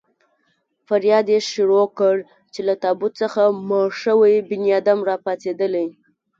فریاد يې شروع کړ چې له تابوت څخه مړ شوی بنیادم را پاڅېدلی.